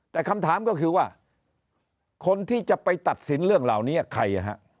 แต่คำถามก็คือว่าคนที่จะไปตัดสินเรื่องเหล่านี้ใคร